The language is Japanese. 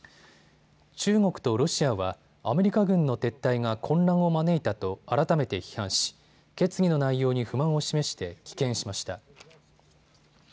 中国とロシアはアメリカ軍の撤退が混乱を招いたと改めて批判し決議の内容に不満を示して棄権しました。